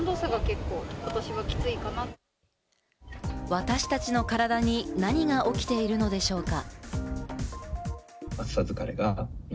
私達の体に何が起きているのでしょうか？